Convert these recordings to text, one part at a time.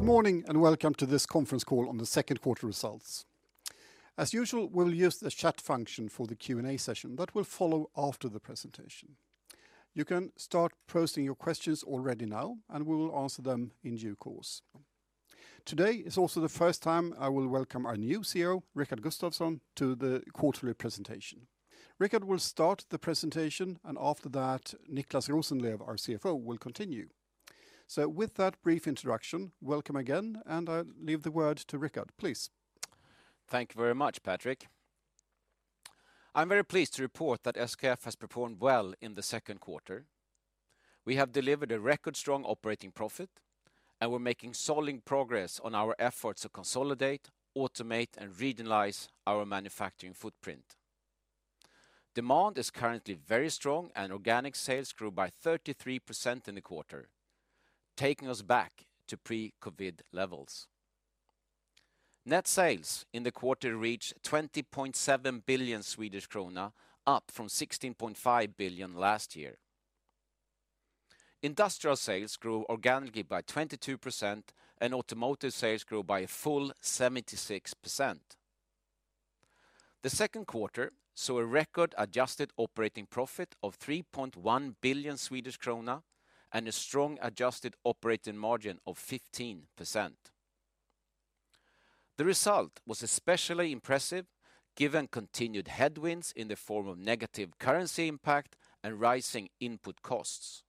Good morning. Welcome to this conference call on the second quarter results. As usual, we'll use the chat function for the Q&A session that will follow after the presentation. You can start posting your questions already now. We will answer them in due course. Today is also the first time I will welcome our new CEO, Rickard Gustafson, to the quarterly presentation. Rickard will start the presentation. After that, Niclas Rosenlew, our CFO, will continue. With that brief introduction, welcome again, and I leave the word to Rickard. Please. Thank you very much, Patrik. I'm very pleased to report that SKF has performed well in the second quarter. We're making solid progress on our efforts to consolidate, automate, and regionalize our manufacturing footprint. Demand is currently very strong, and organic sales grew by 33% in the quarter, taking us back to pre-COVID levels. Net sales in the quarter reached 20.7 billion Swedish krona, up from 16.5 billion last year. Industrial sales grew organically by 22%, and Automotive sales grew by a full 76%. The second quarter saw a record adjusted operating profit of 3.1 billion Swedish krona and a strong adjusted operating margin of 15%. The result was especially impressive given continued headwinds in the form of negative currency impact and rising input costs.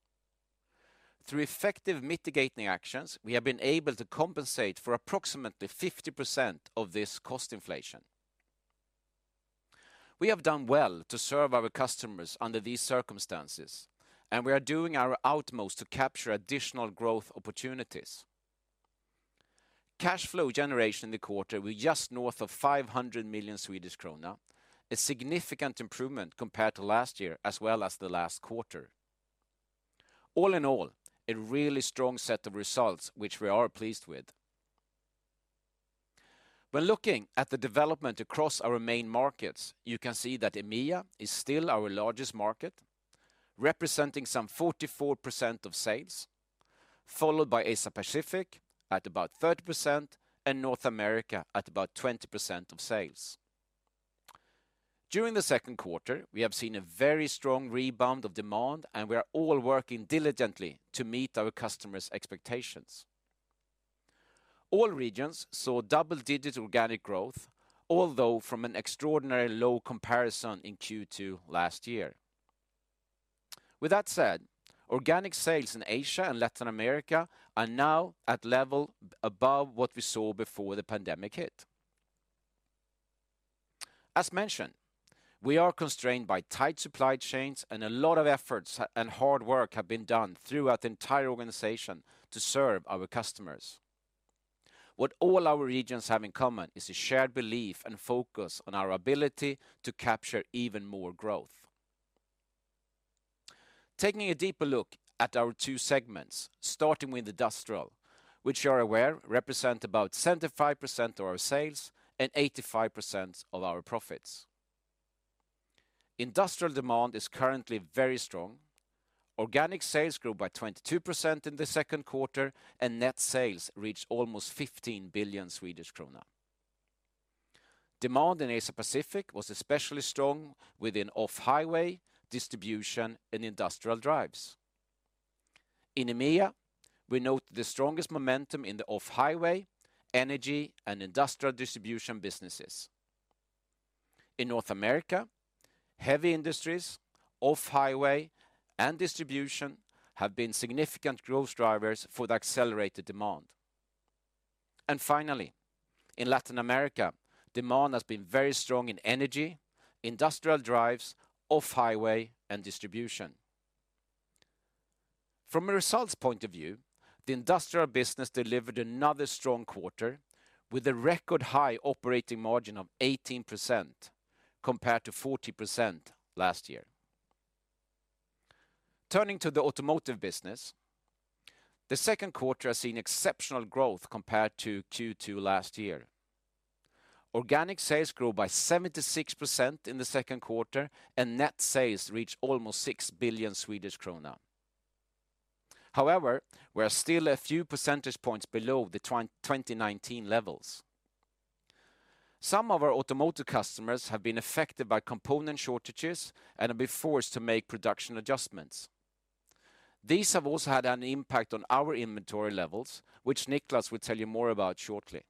Through effective mitigating actions, we have been able to compensate for approximately 50% of this cost inflation. We have done well to serve our customers under these circumstances, and we are doing our utmost to capture additional growth opportunities. Cash flow generation in the quarter was just north of 500 million Swedish krona, a significant improvement compared to last year as well as the last quarter. All in all, a really strong set of results, which we are pleased with. When looking at the development across our main markets, you can see that EMEA is still our largest market, representing some 44% of sales, followed by Asia Pacific at about 30% and North America at about 20% of sales. During the second quarter, we have seen a very strong rebound of demand, and we are all working diligently to meet our customers' expectations. All regions saw double-digit organic growth, although from an extraordinarily low comparison in Q2 last year. With that said, organic sales in Asia and Latin America are now at level above what we saw before the pandemic hit. A lot of efforts and hard work have been done throughout the entire organization to serve our customers. What all our regions have in common is a shared belief and focus on our ability to capture even more growth. Taking a deeper look at our two segments, starting with Industrial, which you are aware represent about 75% of our sales and 85% of our profits. Industrial demand is currently very strong. Organic sales grew by 22% in the second quarter, and net sales reached almost 15 billion Swedish krona. Demand in Asia Pacific was especially strong within off-highway, distribution, and industrial drives. In EMEA, we note the strongest momentum in the off-highway, energy, and industrial distribution businesses. In North America, heavy industries, off-highway, and distribution have been significant growth drivers for the accelerated demand. Finally, in Latin America, demand has been very strong in energy, industrial drives, off-highway, and distribution. From a results point of view, the Industrial Business delivered another strong quarter with a record-high operating margin of 18% compared to [40% last year. Turning to the Automotive Business, the second quarter has seen exceptional growth compared to Q2 last year. Organic sales grew by 76% in the second quarter, and net sales reached almost 6 billion Swedish krona. However, we are still a few percentage points below the 2019 levels. Some of our Automotive customers have been affected by component shortages and have been forced to make production adjustments. These have also had an impact on our inventory levels, which Niclas will tell you more about shortly.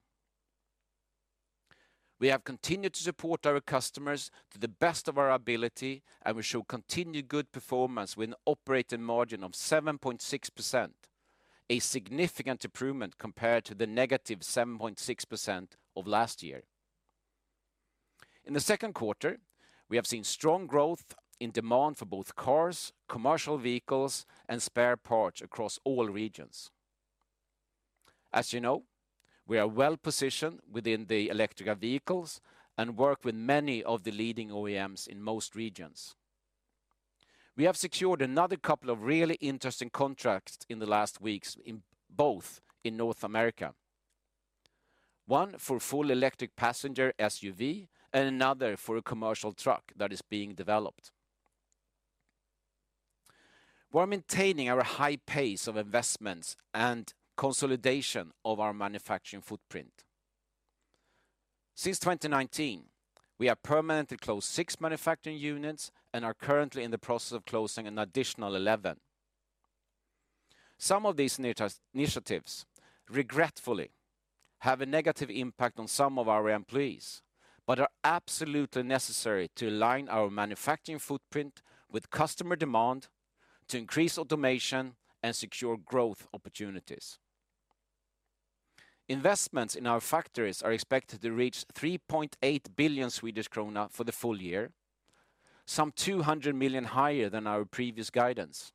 We have continued to support our customers to the best of our ability, we show continued good performance with an operating margin of 7.6%, a significant improvement compared to the -7.6% of last year. In Q2, we have seen strong growth in demand for both cars, commercial vehicles, and spare parts across all regions. As you know, we are well-positioned within the electric vehicles and work with many of the leading OEMs in most regions. We have secured another couple of really interesting contracts in the last weeks both in North America. One for full electric passenger SUV and another for a commercial truck that is being developed. We're maintaining our high pace of investments and consolidation of our manufacturing footprint. Since 2019, we have permanently closed six manufacturing units and are currently in the process of closing an additional 11. Some of these initiatives, regretfully, have a negative impact on some of our employees, but are absolutely necessary to align our manufacturing footprint with customer demand to increase automation and secure growth opportunities. Investments in our factories are expected to reach 3.8 billion Swedish krona for the full year, some 200 million higher than our previous guidance.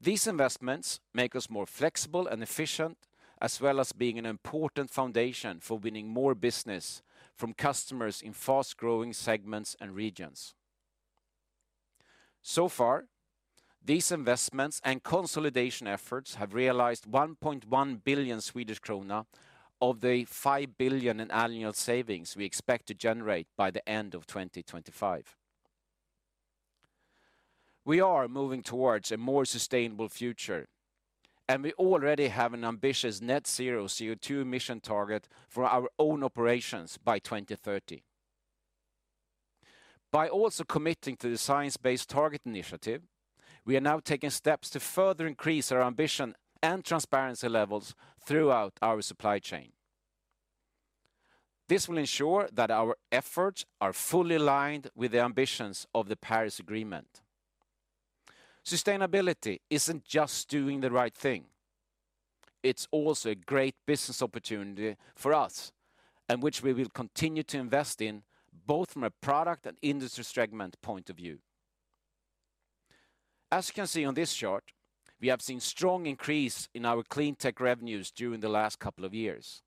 These investments make us more flexible and efficient, as well as being an important foundation for winning more business from customers in fast-growing segments and regions. Far, these investments and consolidation efforts have realized 1.1 billion Swedish krona of the 5 billion in annual savings we expect to generate by the end of 2025. We are moving towards a more sustainable future, and we already have an ambitious Net Zero CO2 emission target for our own operations by 2030. By also committing to the Science Based Targets initiative, we are now taking steps to further increase our ambition and transparency levels throughout our supply chain. This will ensure that our efforts are fully aligned with the ambitions of the Paris Agreement. Sustainability isn't just doing the right thing. It's also a great business opportunity for us, and which we will continue to invest in, both from a product and industry segment point of view. As you can see on this chart, we have seen strong increase in our clean tech revenues during the last couple of years.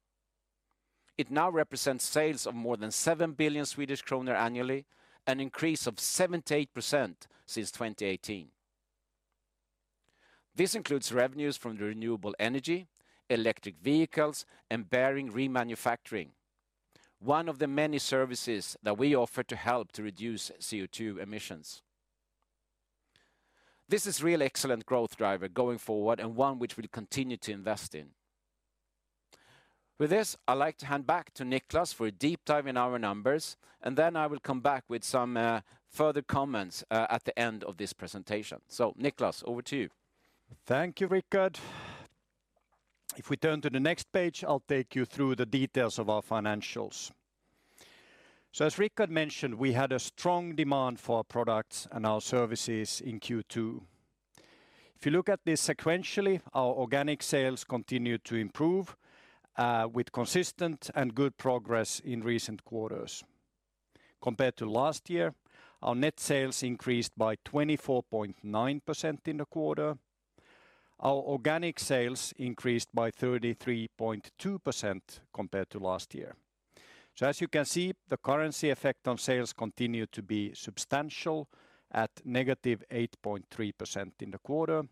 It now represents sales of more than 7 billion Swedish kronor annually, an increase of 78% since 2018. This includes revenues from the renewable energy, electric vehicles, and bearing remanufacturing, one of the many services that we offer to help to reduce CO2 emissions. This is really excellent growth driver going forward and one which we'll continue to invest in. With this, I'd like to hand back to Niclas for a deep dive in our numbers, and then I will come back with some further comments at the end of this presentation. Niclas, over to you. Thank you, Rickard. If we turn to the next page, I'll take you through the details of our financials. As Rickard mentioned, we had a strong demand for our products and our services in Q2. If you look at this sequentially, our organic sales continued to improve, with consistent and good progress in recent quarters. Compared to last year, our net sales increased by 24.9% in the quarter. Our organic sales increased by 33.2% compared to last year. As you can see, the currency effect on sales continued to be substantial at -8.3% in the quarter,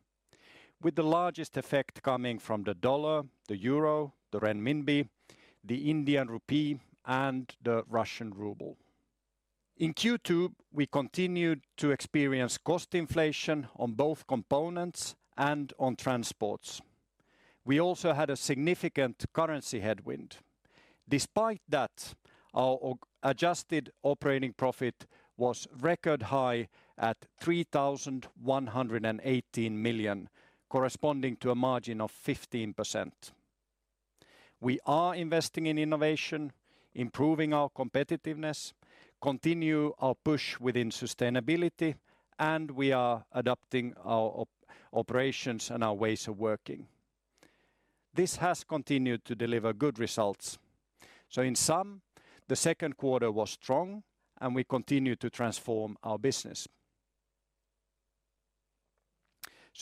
with the largest effect coming from the dollar, the euro, the renminbi, the Indian rupee, and the Russian ruble. In Q2, we continued to experience cost inflation on both components and on transports. We also had a significant currency headwind. Despite that, our adjusted operating profit was record high at 3,118 million, corresponding to a margin of 15%. We are investing in innovation, improving our competitiveness, continue our push within sustainability, and we are adapting our operations and our ways of working. This has continued to deliver good results. In sum, the second quarter was strong and we continue to transform our business.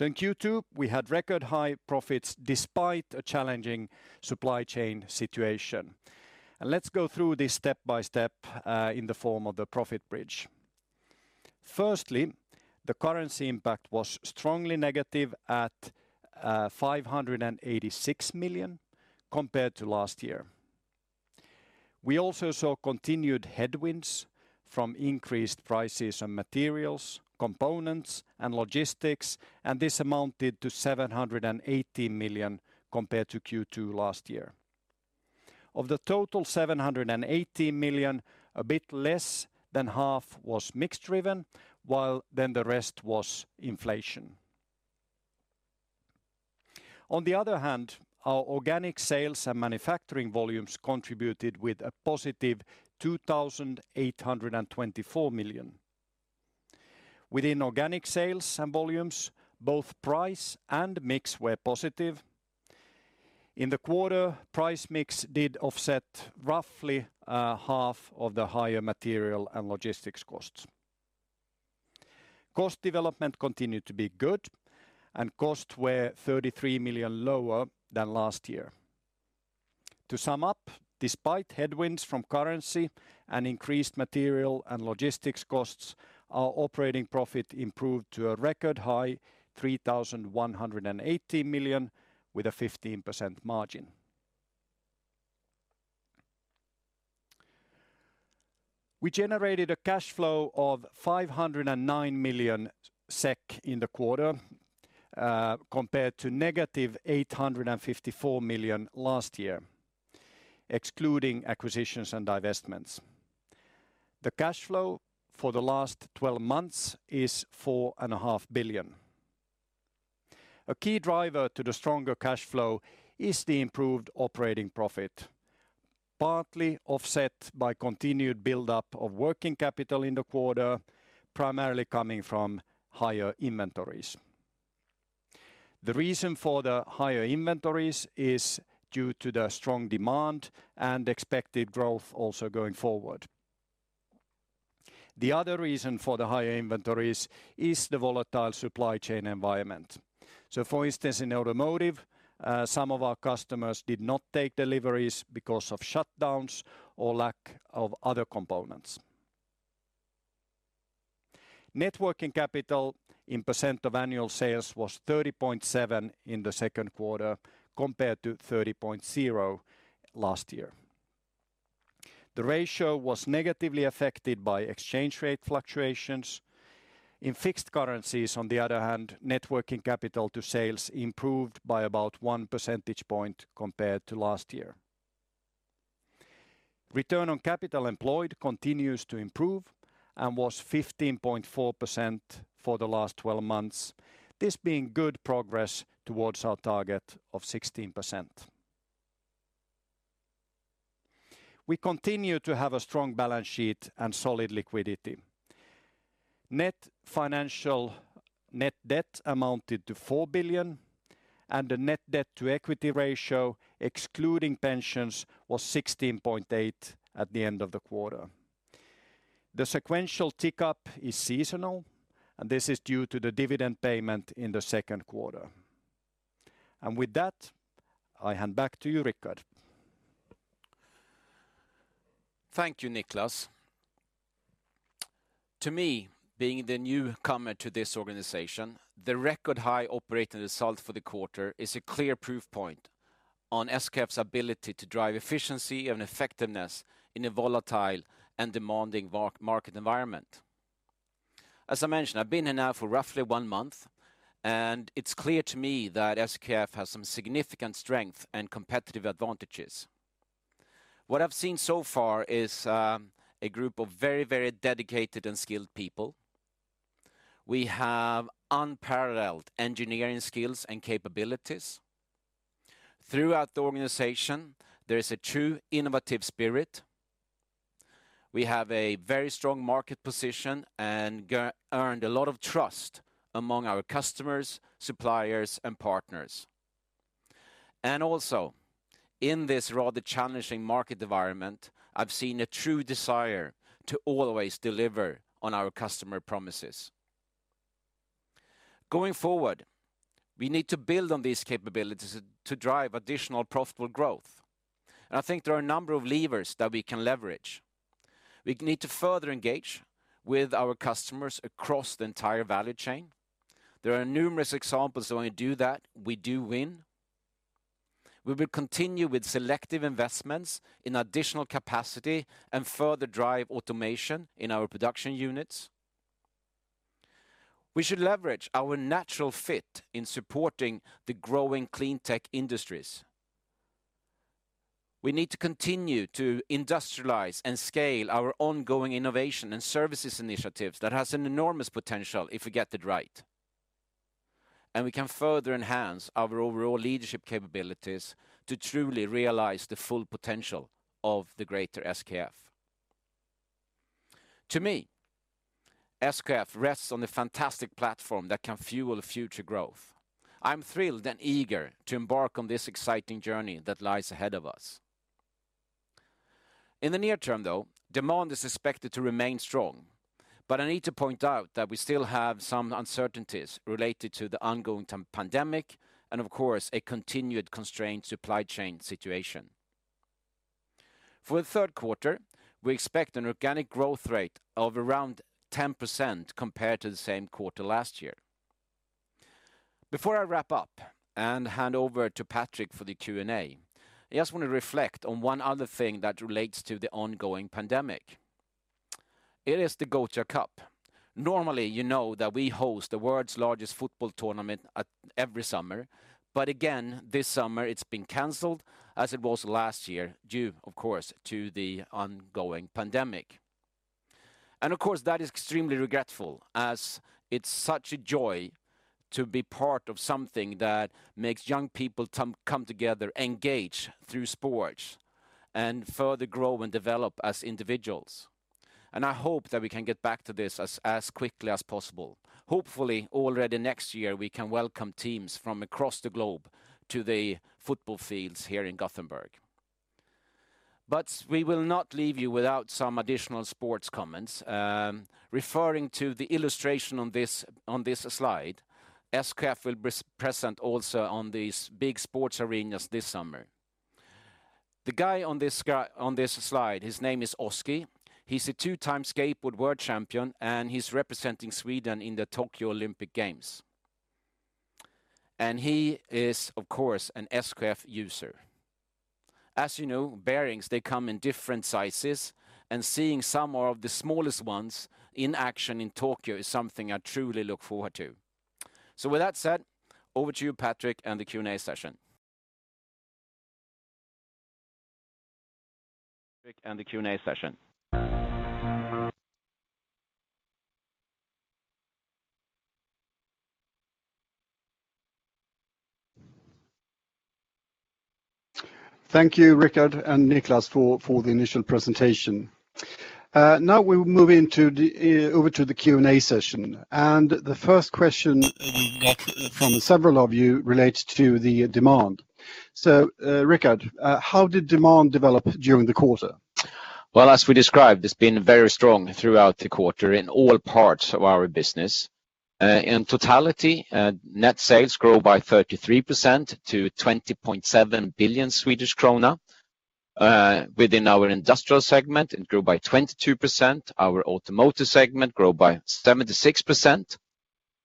In Q2, we had record high profits despite a challenging supply chain situation. Let's go through this step-by-step, in the form of the profit bridge. Firstly, the currency impact was strongly negative at 586 million compared to last year. We also saw continued headwinds from increased prices on materials, components, and logistics, and this amounted to 780 million compared to Q2 last year. Of the total 780 million, a bit less than half was mix-driven, while then the rest was inflation. On the other hand, our organic sales and manufacturing volumes contributed with +2,824 million. Within organic sales and volumes, both price and mix were positive. In the quarter, price mix did offset roughly half of the higher material and logistics costs. Cost development continued to be good, and costs were 33 million lower than last year. To sum up, despite headwinds from currency and increased material and logistics costs, our operating profit improved to a record high 3,118 million with a 15% margin. We generated a cash flow of 509 million SEK in the quarter, compared to -854 million last year, excluding acquisitions and divestments. The cash flow for the last 12 months is 4.5 billion. A key driver to the stronger cash flow is the improved operating profit, partly offset by continued buildup of working capital in the quarter, primarily coming from higher inventories. The reason for the higher inventories is due to the strong demand and expected growth also going forward. The other reason for the higher inventories is the volatile supply chain environment. For instance, in automotive, some of our customers did not take deliveries because of shutdowns or lack of other components. Net working capital in percent of annual sales was 30.7% in the second quarter, compared to 30.0% last year. The ratio was negatively affected by exchange rate fluctuations. In fixed currencies, on the other hand, net working capital to sales improved by about one percentage point compared to last year. Return on capital employed continues to improve and was 15.4% for the last 12 months, this being good progress towards our target of 16%. We continue to have a strong balance sheet and solid liquidity. Net financial net debt amounted to 4 billion. The net debt to equity ratio, excluding pensions, was 16.8% at the end of the quarter. The sequential tick up is seasonal. This is due to the dividend payment in the second quarter. With that, I hand back to you, Rickard. Thank you, Niclas. To me, being the newcomer to this organization, the record high operating result for the quarter is a clear proof point on SKF's ability to drive efficiency and effectiveness in a volatile and demanding market environment. As I mentioned, I've been here now for roughly one month, and it's clear to me that SKF has some significant strength and competitive advantages. What I've seen so far is a group of very dedicated and skilled people. We have unparalleled engineering skills and capabilities. Throughout the organization, there is a true innovative spirit. We have a very strong market position and earned a lot of trust among our customers, suppliers, and partners. Also, in this rather challenging market environment, I've seen a true desire to always deliver on our customer promises. Going forward, we need to build on these capabilities to drive additional profitable growth, I think there are a number of levers that we can leverage. We need to further engage with our customers across the entire value chain. There are numerous examples that when we do that, we do win. We will continue with selective investments in additional capacity and further drive automation in our production units. We should leverage our natural fit in supporting the growing clean tech industries. We need to continue to industrialize and scale our ongoing innovation and services initiatives that has an enormous potential if we get it right. We can further enhance our overall leadership capabilities to truly realize the full potential of the greater SKF. To me, SKF rests on the fantastic platform that can fuel future growth. I'm thrilled and eager to embark on this exciting journey that lies ahead of us. In the near term, though, demand is expected to remain strong, but I need to point out that we still have some uncertainties related to the ongoing pandemic and of course, a continued constrained supply chain situation. For the third quarter, we expect an organic growth rate of around 10% compared to the same quarter last year. Before I wrap up and hand over to Patrik for the Q&A, I just want to reflect on one other thing that relates to the ongoing pandemic. It is the Gothia Cup. Normally, you know that we host the world's largest football tournament at every summer. Again, this summer it's been canceled, as it was last year, due of course, to the ongoing pandemic. Of course, that is extremely regretful as it's such a joy to be part of something that makes young people come together, engage through sports, and further grow and develop as individuals. I hope that we can get back to this as quickly as possible. Hopefully already next year, we can welcome teams from across the globe to the football fields here in Gothenburg. We will not leave you without some additional sports comments. Referring to the illustration on this slide, SKF will be present also on these big sports arenas this summer. The guy on this slide, his name is Oski. He's a two-time skateboard world champion, and he's representing Sweden in the Tokyo Olympic Games. He is, of course, an SKF user. As you know, bearings, they come in different sizes, and seeing some of the smallest ones in action in Tokyo is something I truly look forward to. With that said, over to you, Patrik, and the Q&A session. The Q&A session. Thank you, Rickard and Niclas, for the initial presentation. Now we will move over to the Q&A session. The first question that from several of you relates to the demand. Rickard, how did demand develop during the quarter? Well, as we described, it has been very strong throughout the quarter in all parts of our business. In totality, net sales grew by 33% to 20.7 billion Swedish krona. Within our Industrial segment, it grew by 22%. Our Automotive segment grew by 76%.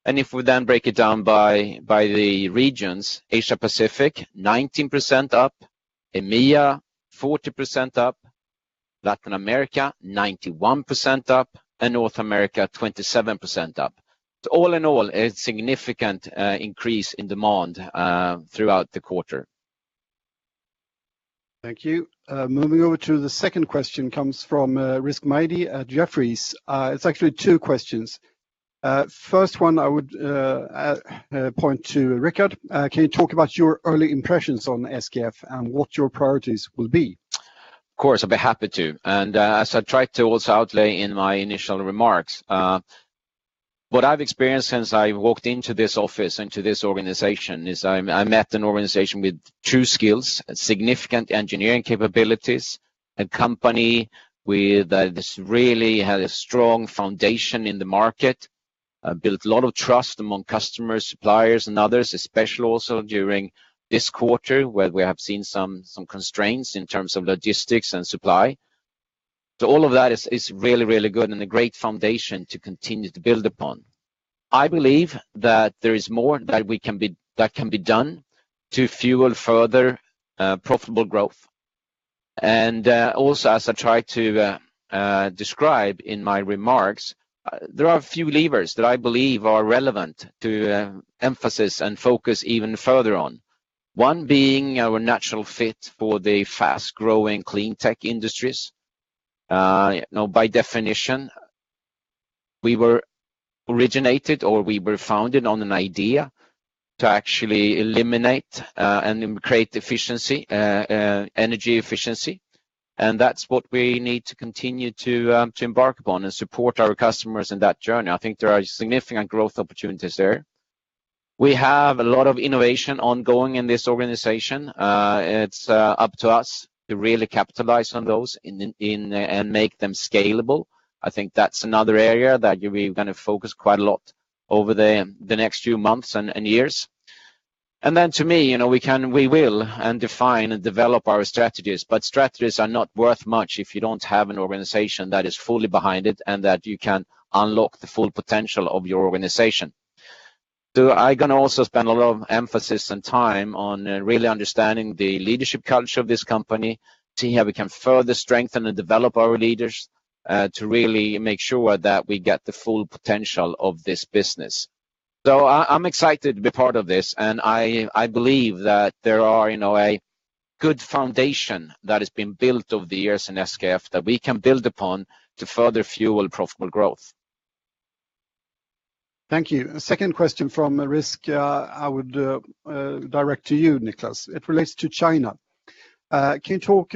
If we then break it down by the regions, Asia-Pacific 19% up, EMEA 40% up, Latin America 91% up, and North America 27% up. All in all, a significant increase in demand throughout the quarter. Thank you. Moving over to the second question comes from Rizk Maidi at Jefferies. It is actually two questions. First one I would point to Rickard. Can you talk about your early impressions on SKF and what your priorities will be? Of course, I'd be happy to. As I tried to also outline in my initial remarks, what I've experienced since I walked into this office and to this organization is I met an organization with true skills and significant engineering capabilities, a company with this really had a strong foundation in the market, built a lot of trust among customers, suppliers, and others, especially also during this quarter, where we have seen some constraints in terms of logistics and supply. All of that is really good and a great foundation to continue to build upon. I believe that there is more that can be done to fuel further profitable growth. Also, as I tried to describe in my remarks, there are a few levers that I believe are relevant to emphasize and focus even further on, one being our natural fit for the fast-growing clean tech industries. By definition, we were originated, or we were founded on an idea to actually eliminate and create efficiency, energy efficiency. That's what we need to continue to embark upon and support our customers in that journey. I think there are significant growth opportunities there. We have a lot of innovation ongoing in this organization. It's up to us to really capitalize on those and make them scalable. I think that's another area that we're going to focus quite a lot over the next few months and years. To me, we can, we will, and define and develop our strategies. Strategies are not worth much if you don't have an organization that is fully behind it and that you can unlock the full potential of your organization. I'm going to also spend a lot of emphasis and time on really understanding the leadership culture of this company, seeing how we can further strengthen and develop our leaders to really make sure that we get the full potential of this business. I'm excited to be part of this, and I believe that there are a good foundation that has been built over the years in SKF that we can build upon to further fuel profitable growth. Thank you. Second question from Rizk I would direct to you, Niclas. It relates to China. Can you talk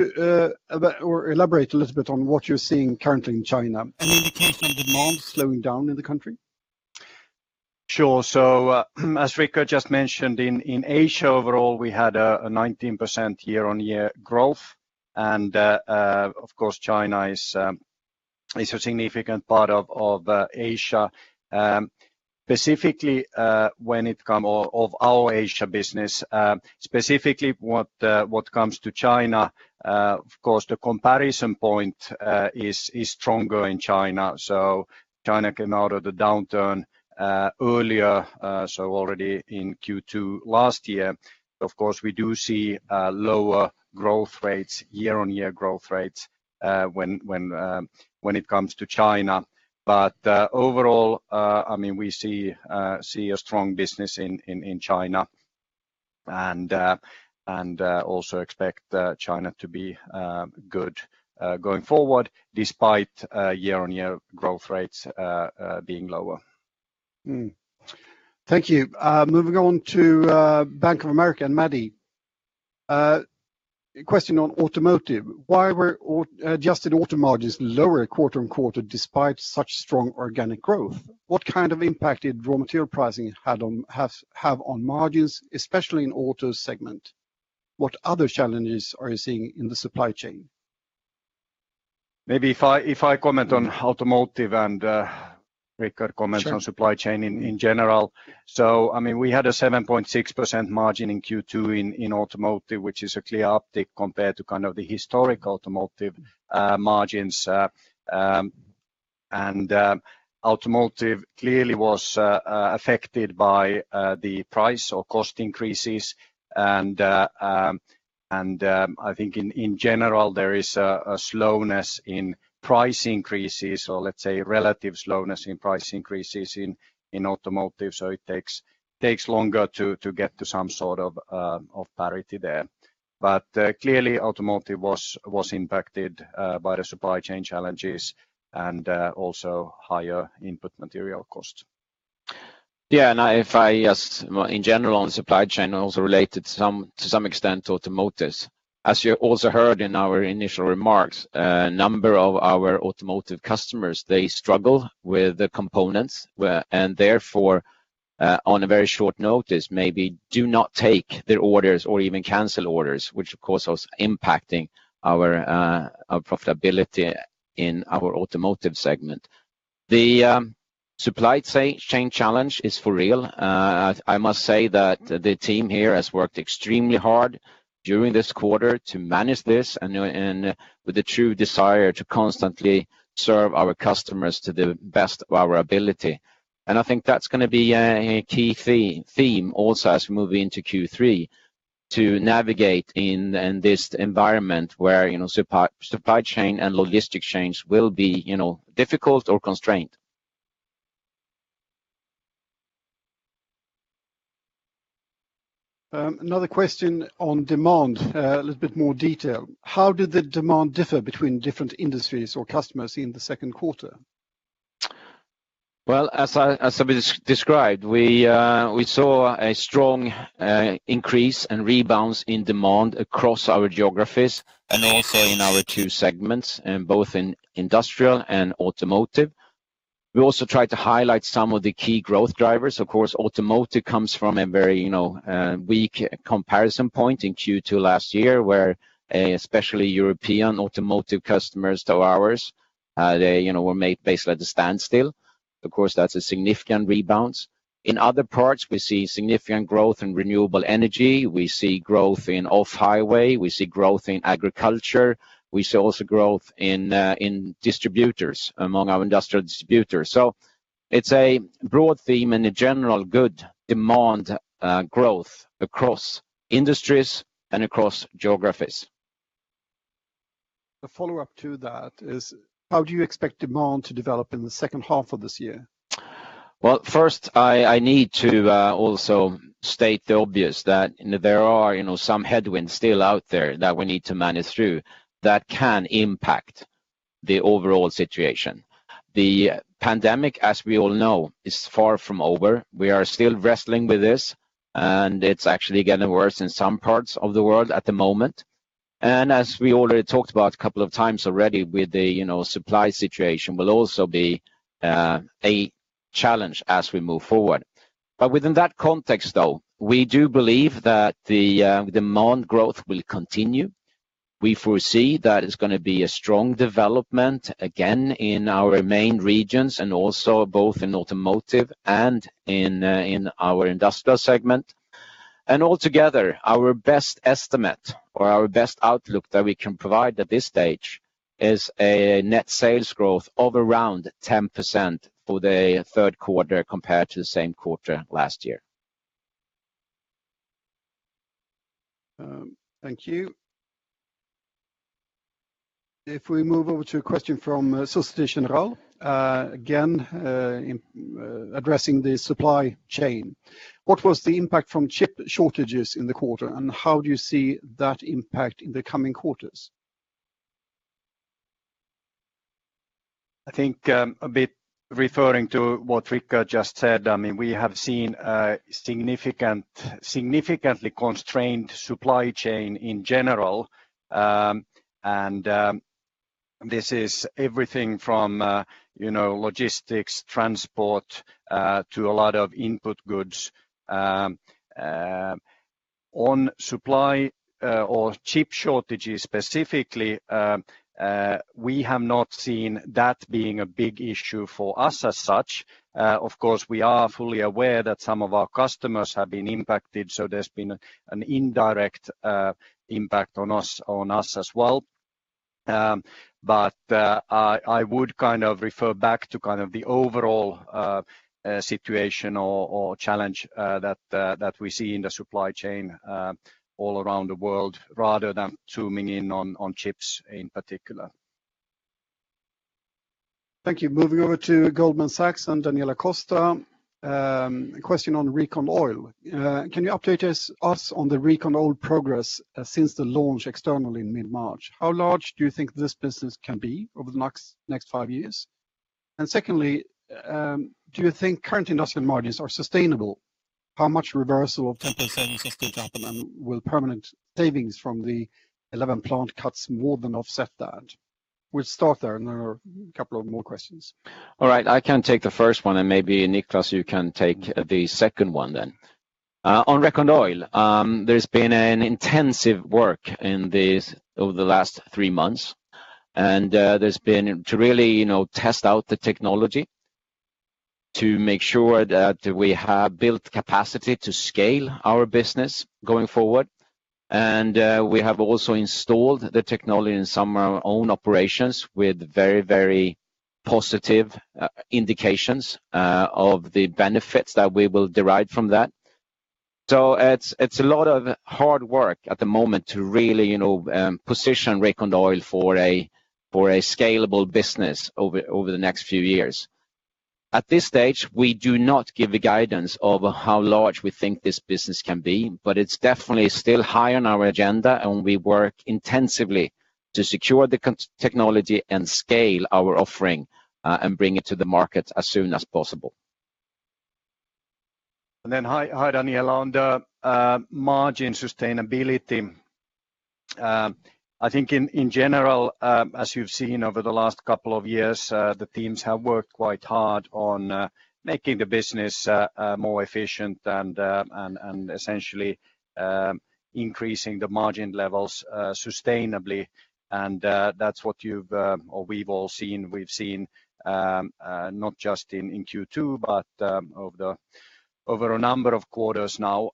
about or elaborate a little bit on what you're seeing currently in China? Any indication of demand slowing down in the country? Sure. As Rickard just mentioned, in Asia overall, we had a 19% year-on-year growth. China is a significant part of Asia, specifically what comes to China. Of course, the comparison point is stronger in China. China came out of the downturn earlier, already in Q2 last year. Of course, we do see lower year-on-year growth rates when it comes to China. Overall, we see a strong business in China and also expect China to be good going forward despite year-on-year growth rates being lower. Thank you. Moving on to Bank of America, Maddie. Question on Automotive. Why were adjusted auto margins lower quarter-on-quarter despite such strong organic growth? What kind of impact did raw material pricing have on margins, especially in Auto segment? What other challenges are you seeing in the supply chain? Maybe if I comment on Automotive and Rickard- Sure comments on supply chain in general. We had a 7.6% margin in Q2 in Automotive, which is a clear uptick compared to kind of the historic Automotive margins. Automotive clearly was affected by the price or cost increases. I think in general, there is a slowness in price increases, or let's say a relative slowness in price increases in Automotive. It takes longer to get to some sort of parity there. Clearly Automotive was impacted by the supply chain challenges and also higher input material costs. Yeah. If I just, in general, on supply chain also related to some extent to Automotive. As you also heard in our initial remarks, a number of our automotive customers, they struggle with the components, and therefore, on a very short notice, maybe do not take their orders or even cancel orders, which of course, was impacting our profitability in our Automotive segment. The supply chain challenge is for real. I must say that the team here has worked extremely hard during this quarter to manage this and with a true desire to constantly serve our customers to the best of our ability. I think that's going to be a key theme also as we move into Q3 to navigate in this environment where supply chain and logistic chains will be difficult or constrained. Another question on demand, a little bit more detail. How did the demand differ between different industries or customers in the second quarter? Well, as I described, we saw a strong increase and rebounds in demand across our geographies and also in our two segments, both in Industrial and Automotive. We also tried to highlight some of the key growth drivers. Automotive comes from a very weak comparison point in Q2 last year where especially European automotive customers to ours, they were made basically at a standstill. That's a significant rebound. In other parts, we see significant growth in renewable energy. We see growth in off-highway. We see growth in agriculture. We see also growth in distributors, among our industrial distributors. It's a broad theme and a general good demand growth across industries and across geographies. A follow-up to that is how do you expect demand to develop in the second half of this year? First, I need to also state the obvious that there are some headwinds still out there that we need to manage through that can impact the overall situation. The pandemic, as we all know, is far from over. We are still wrestling with this, and it's actually getting worse in some parts of the world at the moment. As we already talked about a couple of times already with the supply situation, will also be a challenge as we move forward. Within that context, though, we do believe that the demand growth will continue. We foresee that it's going to be a strong development, again, in our main regions and also both in Automotive and in our Industrial segment. Altogether, our best estimate or our best outlook that we can provide at this stage is a net sales growth of around 10% for the third quarter compared to the same quarter last year. Thank you. We move over to a question from Société Générale, again, addressing the supply chain. What was the impact from chip shortages in the quarter, and how do you see that impact in the coming quarters? I think a bit referring to what Rickard just said, we have seen a significantly constrained supply chain in general. This is everything from logistics, transport, to a lot of input goods. On supply or chip shortages specifically, we have not seen that being a big issue for us as such. Of course, we are fully aware that some of our customers have been impacted, there's been an indirect impact on us as well. I would refer back to the overall situation or challenge that we see in the supply chain all around the world rather than zooming in on chips in particular. Thank you. Moving over to Goldman Sachs and Daniela Costa. Question on RecondOil. Can you update us on the RecondOil progress since the launch externally in mid-March? How large do you think this business can be over the next five years? Secondly, do you think current industrial margins are sustainable? How much reversal of 10% is still to happen, and will permanent savings from the 11 plant cuts more than offset that? We'll start there, and there are a couple of more questions. All right. I can take the first one, and maybe Niclas, you can take the second one then. On RecondOil, there's been an intensive work over the last three months, and there's been to really test out the technology. To make sure that we have built capacity to scale our business going forward. We have also installed the technology in some of our own operations with very positive indications of the benefits that we will derive from that. It's a lot of hard work at the moment to really position RecondOil for a scalable business over the next few years. At this stage, we do not give the guidance over how large we think this business can be, but it's definitely still high on our agenda, and we work intensively to secure the technology and scale our offering, and bring it to the market as soon as possible. Hi, Daniela. On the margin sustainability, I think in general, as you've seen over the last 2 years, the teams have worked quite hard on making the business more efficient and essentially increasing the margin levels sustainably. That's what we've all seen, not just in Q2, but over a number of quarters now.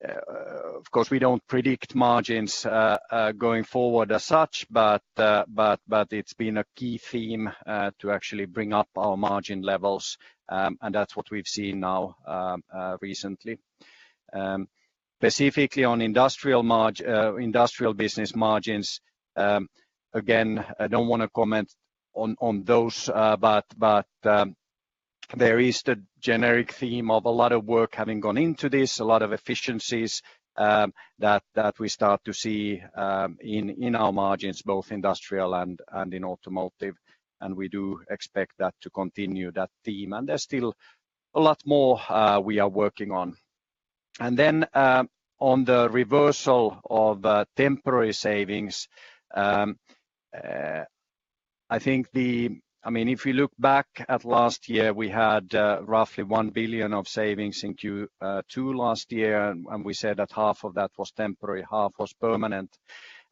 Of course, we don't predict margins going forward as such, but it's been a key theme to actually bring up our margin levels. That's what we've seen now recently. Specifically on industrial business margins, again, I don't want to comment on those, but there is the generic theme of a lot of work having gone into this, a lot of efficiencies that we start to see in our margins, both Industrial and in Automotive. We do expect that to continue, that theme. There's still a lot more we are working on. On the reversal of temporary savings, if we look back at last year, we had roughly 1 billion of savings in Q2 last year, and we said that half of that was temporary, half was permanent.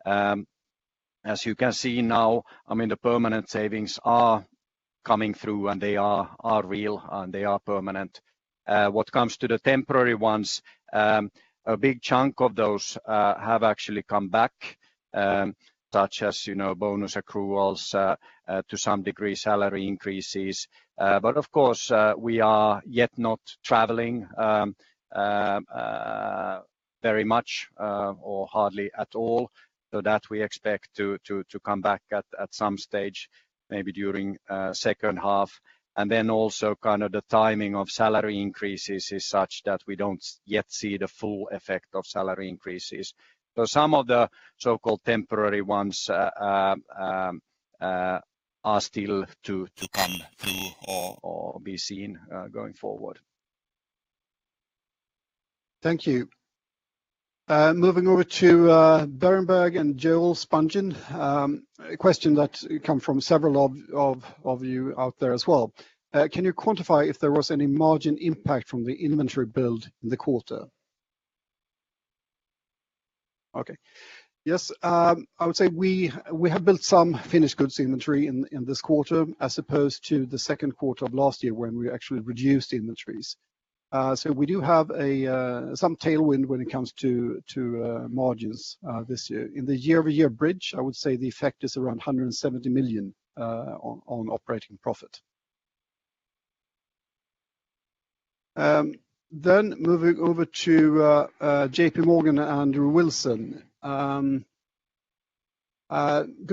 As you can see now, the permanent savings are coming through, and they are real, and they are permanent. What comes to the temporary ones, a big chunk of those have actually come back, such as bonus accruals, to some degree, salary increases. Of course, we are yet not traveling very much or hardly at all. That we expect to come back at some stage, maybe during second half. Also the timing of salary increases is such that we don't yet see the full effect of salary increases. Some of the so-called temporary ones are still to come through or be seen going forward. Thank you. Moving over to Berenberg and Joel Spungin. A question that came from several of you out there as well. Can you quantify if there was any margin impact from the inventory build in the quarter? Okay. Yes. I would say we have built some finished goods inventory in this quarter as opposed to the second quarter of last year when we actually reduced inventories. We do have some tailwind when it comes to margins this year. In the year-over-year bridge, I would say the effect is around 170 million on operating profit. Moving over to JP Morgan, Andrew Wilson. Good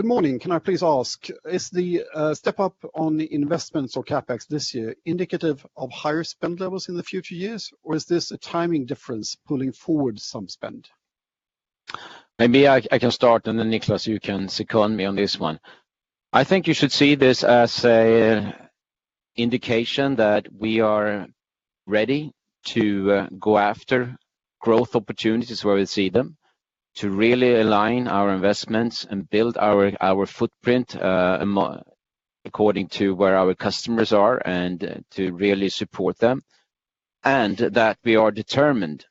morning. Can I please ask, is the step up on the investments or CapEx this year indicative of higher spend levels in the future years, or is this a timing difference pulling forward some spend? Maybe I can start, then Niclas, you can second me on this one. I think you should see this as an indication that we are ready to go after growth opportunities where we see them to really align our investments and build our footprint according to where our customers are and to really support them, and that we are determined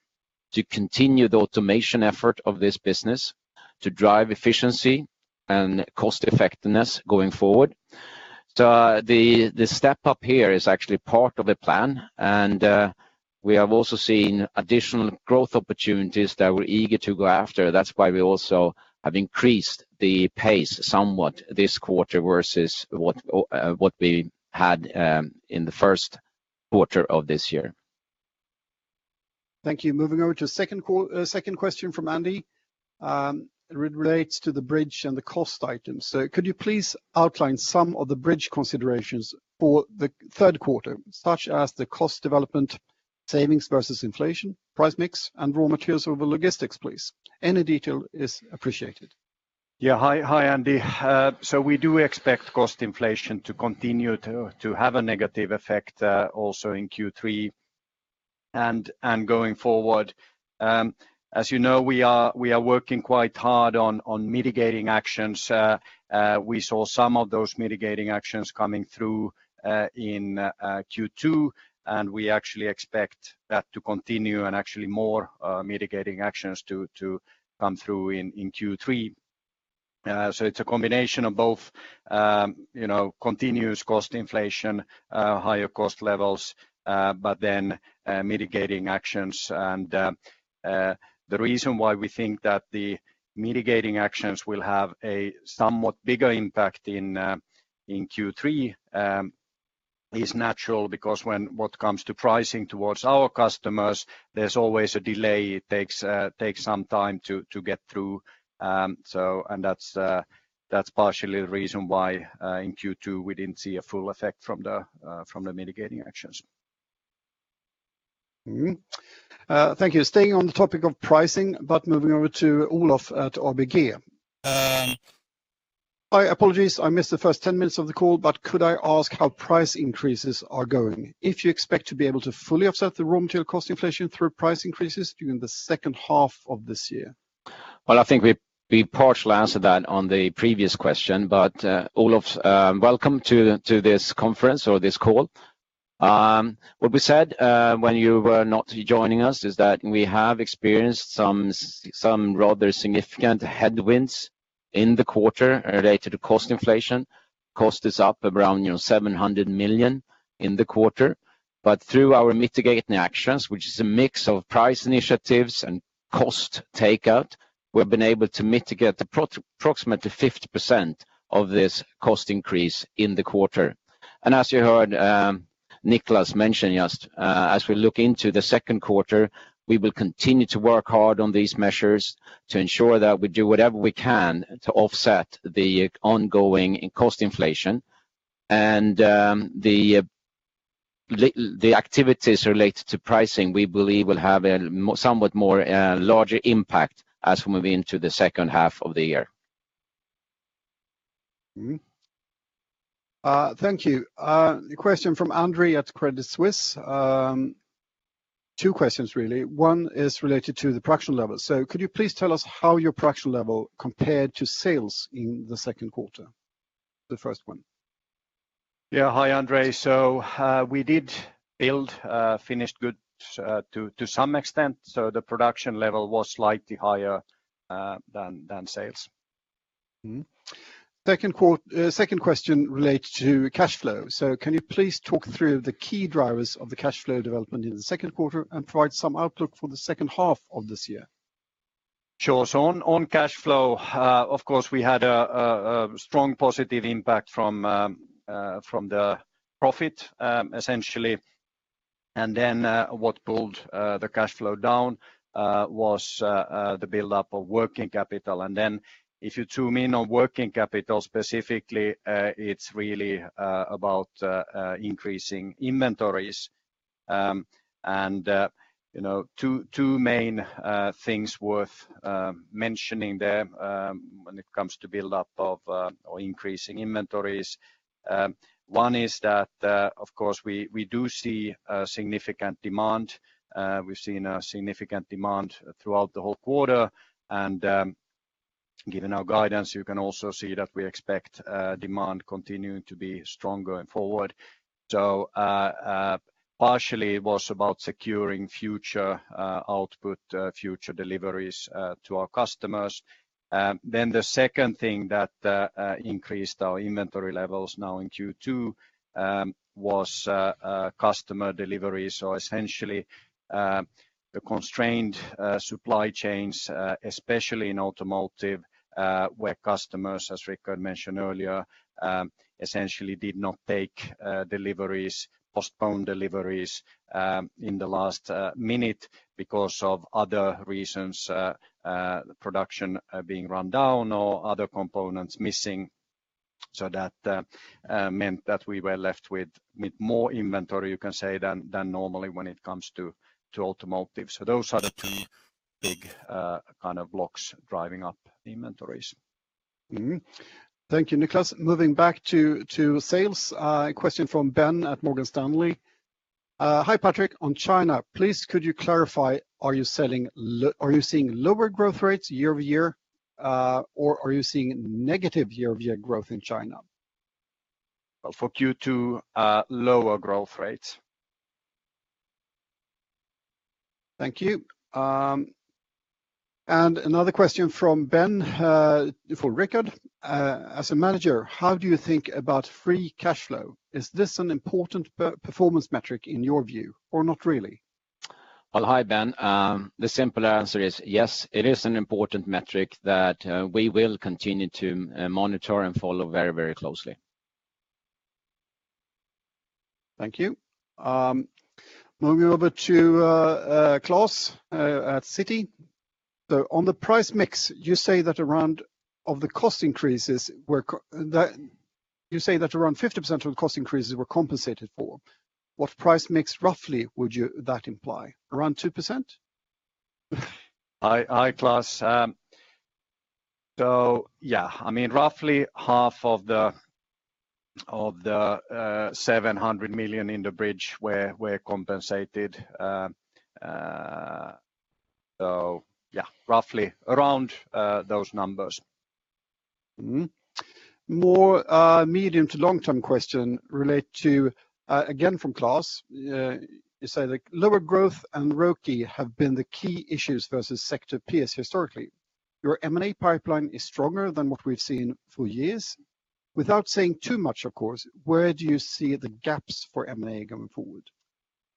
to continue the automation effort of this business to drive efficiency and cost effectiveness going forward. The step up here is actually part of the plan. We have also seen additional growth opportunities that we're eager to go after. That's why we also have increased the pace somewhat this quarter versus what we had in the first quarter of this year. Thank you. Moving over to a second question from Andy. It relates to the bridge and the cost items. Could you please outline some of the bridge considerations for the third quarter, such as the cost development savings versus inflation, price mix, and raw materials over logistics, please? Any detail is appreciated. Yeah. Hi, Andy. We do expect cost inflation to continue to have a negative effect also in Q3 and going forward. As you know, we are working quite hard on mitigating actions. We saw some of those mitigating actions coming through in Q2, and we actually expect that to continue and actually more mitigating actions to come through in Q3. It's a combination of both continuous cost inflation, higher cost levels, mitigating actions. The reason why we think that the mitigating actions will have a somewhat bigger impact in Q3 is natural, because when it comes to pricing towards our customers, there's always a delay. It takes some time to get through. That's partially the reason why in Q2 we didn't see a full effect from the mitigating actions. Thank you. Staying on the topic of pricing, but moving over to Olof at ABG. My apologies, I missed the first 10 minutes of the call, but could I ask how price increases are going? If you expect to be able to fully offset the raw material cost inflation through price increases during the second half of this year? Well, I think we partially answered that on the previous question, Olof welcome to this conference or this call. What we said when you were not joining us is that we have experienced some rather significant headwinds in the quarter related to cost inflation. Cost is up around 700 million in the quarter. Through our mitigating actions, which is a mix of price initiatives and cost takeout, we've been able to mitigate approximately 50% of this cost increase in the quarter. As you heard Niclas mention just as we look into the second quarter, we will continue to work hard on these measures to ensure that we do whatever we can to offset the ongoing cost inflation and the activities related to pricing we believe will have a somewhat more larger impact as we move into the second half of the year. Thank you. A question from Andre at Credit Suisse. Two questions really, one is related to the production level. Could you please tell us how your production level compared to sales in the second quarter? The first one. Yeah. Hi, Andre. We did build finished goods to some extent. The production level was slightly higher than sales. The second question relates to cash flow. Can you please talk through the key drivers of the cash flow development in the second quarter and provide some outlook for the second half of this year? Sure. On cash flow, of course, we had a strong positive impact from the profit, essentially. What pulled the cash flow down was the buildup of working capital. If you zoom in on working capital specifically, it is really about increasing inventories. Two main things worth mentioning there when it comes to buildup of or increasing inventories. One is that, of course, we do see a significant demand. We have seen a significant demand throughout the whole quarter. Given our guidance, you can also see that we expect demand continuing to be strong going forward. Partially it was about securing future output, future deliveries to our customers. The second thing that increased our inventory levels now in Q2 was customer deliveries or essentially the constrained supply chains, especially in Automotive, where customers, as Rickard mentioned earlier, essentially did not take deliveries, postponed deliveries in the last minute because of other reasons, production being run down or other components missing. That meant that we were left with more inventory, you can say, than normally when it comes to Automotive. Those are the two big kind of blocks driving up inventories. Thank you, Niclas. Moving back to sales, a question from Ben at Morgan Stanley. Hi, Patrik. On China, please could you clarify, are you seeing lower growth rates year-over-year? Or are you seeing negative year-over-year growth in China? Well, for Q2, lower growth rates. Thank you. Another question from Ben for Rickard. As a manager, how do you think about free cash flow? Is this an important performance metric in your view or not really? Well, hi, Ben. The simple answer is yes, it is an important metric that we will continue to monitor and follow very closely. Thank you. Moving over to Klas at Citi. On the price mix, you say that around 50% of cost increases were compensated for. What price mix roughly would that imply? Around 2%? Hi, Klas. Yeah, roughly half of the 700 million in the bridge were compensated. Yeah, roughly around those numbers. More medium to long-term question relate to, again from Klas, you say that lower growth and ROCE have been the key issues versus sector peers historically. Your M&A pipeline is stronger than what we've seen for years. Without saying too much, of course, where do you see the gaps for M&A going forward?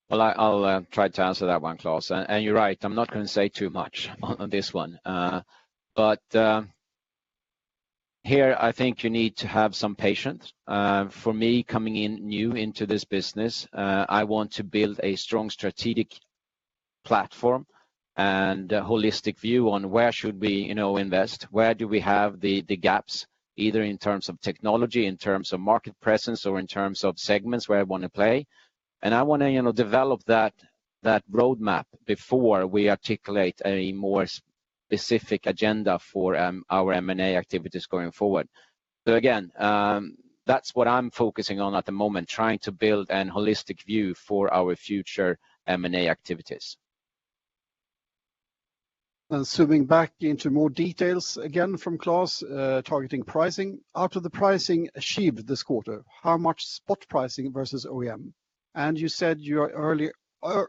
Well, I'll try to answer that one, Klas. You're right, I'm not going to say too much on this one. Here, I think you need to have some patience. For me, coming in new into this business, I want to build a strong strategic platform and a holistic view on where should we invest, where do we have the gaps, either in terms of technology, in terms of market presence, or in terms of segments where I want to play. I want to develop that roadmap before we articulate a more specific agenda for our M&A activities going forward. Again, that's what I'm focusing on at the moment, trying to build a holistic view for our future M&A activities. Zooming back into more details, again from Klas, targeting pricing. Out of the pricing achieved this quarter, how much spot pricing versus OEM? You said you are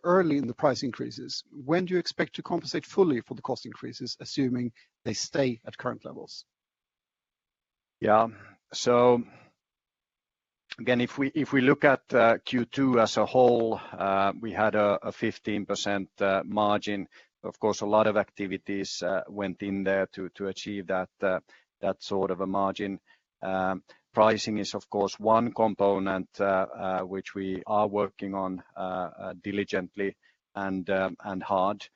early in the price increases. When do you expect to compensate fully for the cost increases, assuming they stay at current levels? Yeah. Again, if we look at Q2 as a whole, we had a 15% margin. Of course, a lot of activities went in there to achieve that sort of a margin. Pricing is, of course, one component which we are working on diligently and hard.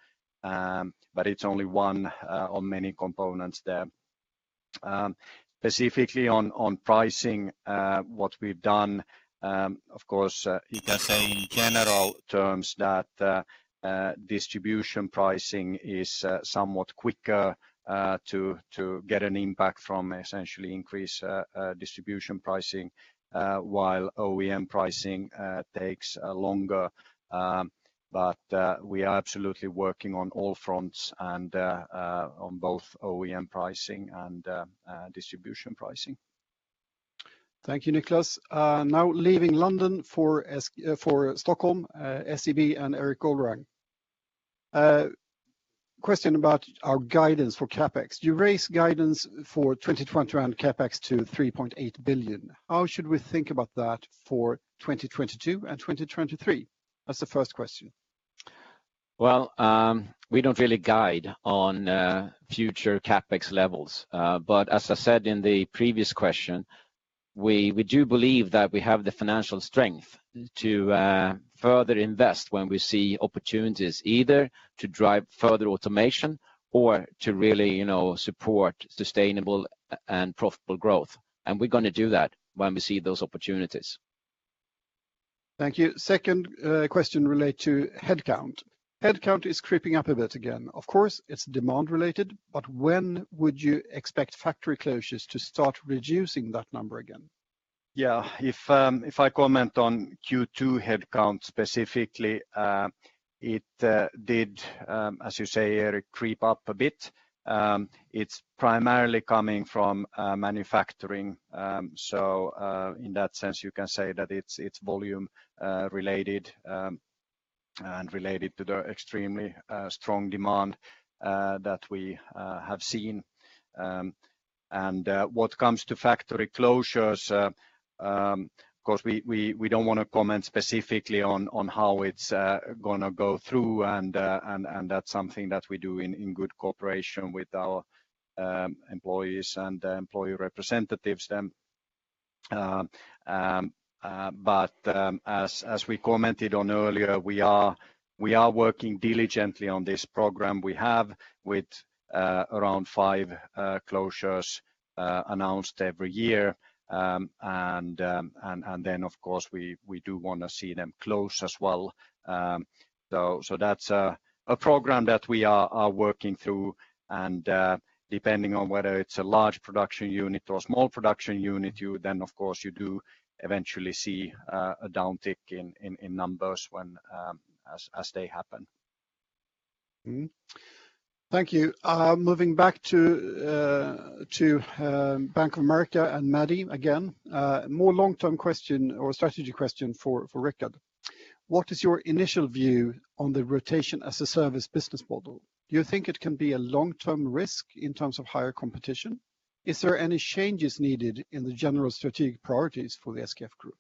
It's only one of many components there. Specifically on pricing, what we've done, of course, you can say in general terms that distribution pricing is somewhat quicker to get an impact from essentially increase distribution pricing, while OEM pricing takes longer. We are absolutely working on all fronts and on both OEM pricing and distribution pricing. Thank you, Niclas. Now leaving London for Stockholm, SEB and Erik Golrang. Question about our guidance for CapEx. You raised guidance for 2020 on CapEx to 3.8 billion. How should we think about that for 2022 and 2023? That's the first question. Well, we don't really guide on future CapEx levels. As I said in the previous question, we do believe that we have the financial strength to further invest when we see opportunities, either to drive further automation or to really support sustainable and profitable growth. We're going to do that when we see those opportunities. Thank you. Second question relate to headcount. Headcount is creeping up a bit again. Of course, it's demand related, but when would you expect factory closures to start reducing that number again? If I comment on Q2 headcount specifically, it did, as you say, Erik, creep up a bit. It's primarily coming from manufacturing. In that sense, you can say that it's volume related and related to the extremely strong demand that we have seen. What comes to factory closures, of course, we don't want to comment specifically on how it's going to go through and that's something that we do in good cooperation with our employees and employee representatives then. As we commented on earlier, we are working diligently on this program we have with around five closures announced every year. Then, of course, we do want to see them close as well. That's a program that we are working through, and depending on whether it's a large production unit or a small production unit, you then, of course, you do eventually see a downtick in numbers as they happen. Thank you. Moving back to Bank of America and Maddie again. More long-term question or strategy question for Rickard. What is your initial view on the Rotation as a Service business model? Do you think it can be a long-term risk in terms of higher competition? Is there any changes needed in the general strategic priorities for the SKF group?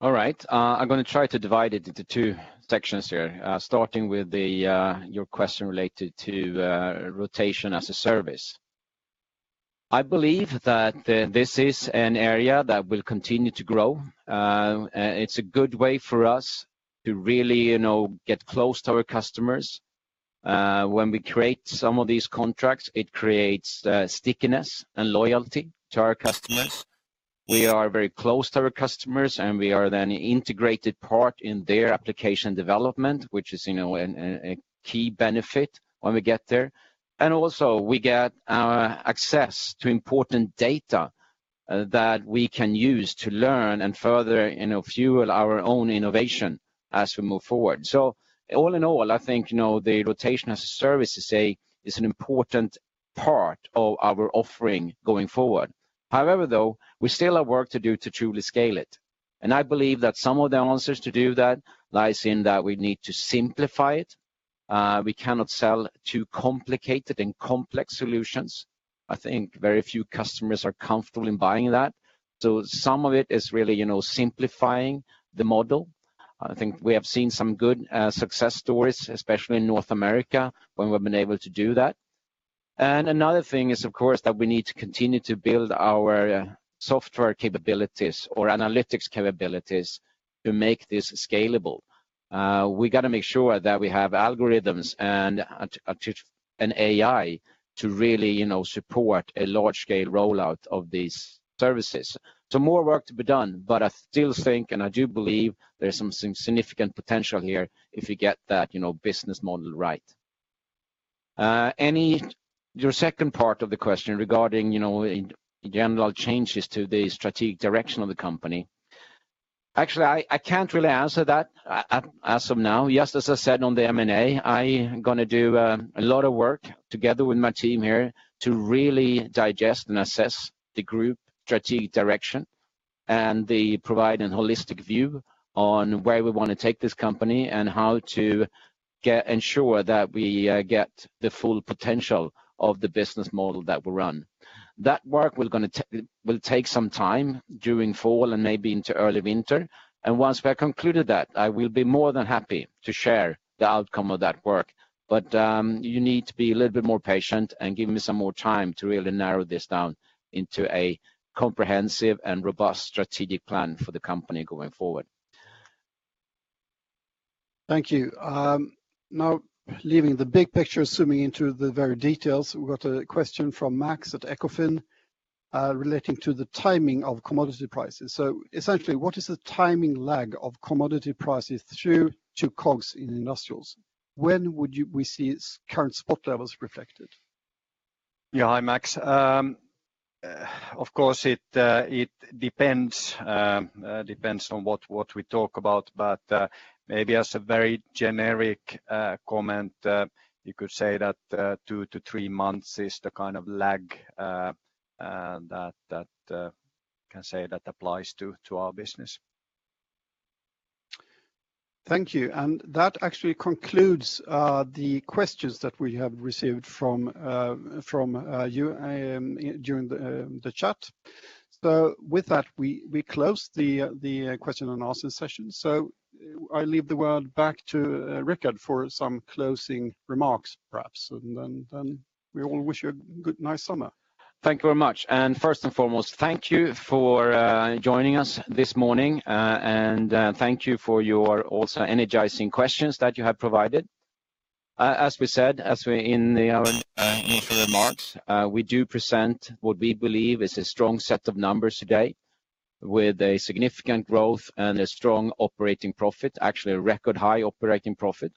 All right. I'm going to try to divide it into two sections here, starting with your question related to Rotation as a Service. I believe that this is an area that will continue to grow. It's a good way for us to really get close to our customers. When we create some of these contracts, it creates stickiness and loyalty to our customers. We are very close to our customers, we are then an integrated part in their application development, which is a key benefit when we get there. Also we get our access to important data that we can use to learn and further fuel our own innovation as we move forward. All in all, I think, the Rotation as a Service is an important part of our offering going forward. However, though, we still have work to do to truly scale it. I believe that some of the answers to do that lies in that we need to simplify it. We cannot sell too complicated and complex solutions. I think very few customers are comfortable in buying that. Some of it is really simplifying the model. I think we have seen some good success stories, especially in North America, when we've been able to do that. Another thing is, of course, that we need to continue to build our software capabilities or analytics capabilities to make this scalable. We got to make sure that we have algorithms and AI to really support a large-scale rollout of these services. More work to be done, but I still think, and I do believe, there's some significant potential here if we get that business model right. Your second part of the question regarding, in general, changes to the strategic direction of the company. I can't really answer that as of now. As I said, on the M&A, I going to do a lot of work together with my team here to really digest and assess the group strategic direction and the providing holistic view on where we want to take this company and how to ensure that we get the full potential of the business model that we run. That work will take some time during fall and maybe into early winter. Once we have concluded that, I will be more than happy to share the outcome of that work. You need to be a little bit more patient and give me some more time to really narrow this down into a comprehensive and robust strategic plan for the company going forward. Thank you. Now leaving the big picture, zooming into the very details. We've got a question from Max at Ecofin relating to the timing of commodity prices. Essentially, what is the timing lag of commodity prices through to COGS in industrials? When would we see current spot levels reflected? Yeah. Hi, Max. Of course, it depends on what we talk about. Maybe as a very generic comment, you could say that two to three months is the kind of lag that applies to our business. Thank you. That actually concludes the questions that we have received from you during the chat. With that, we close the question and answer session. I leave the word back to Rickard for some closing remarks, perhaps. Then we all wish you a good, nice summer. Thank you very much. First and foremost, thank you for joining us this morning. Thank you for your also energizing questions that you have provided. As we said in our initial remarks, we do present what we believe is a strong set of numbers today with a significant growth and a strong operating profit, actually a record high operating profit.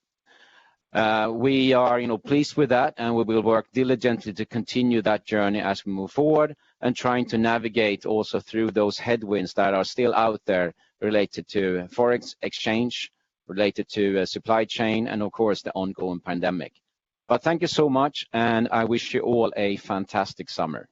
We are pleased with that, and we will work diligently to continue that journey as we move forward and trying to navigate also through those headwinds that are still out there related to Forex exchange, related to supply chain, and of course, the ongoing pandemic. Thank you so much, and I wish you all a fantastic summer